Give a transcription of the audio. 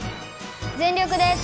全力です！